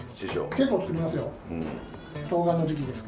結構作りますよ。